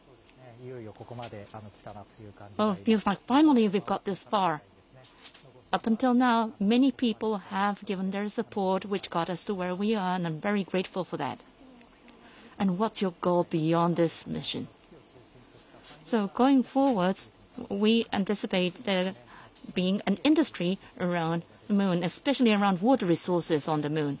いよいよここまできたなという感じがします。